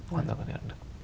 hoàn toàn có thể làm được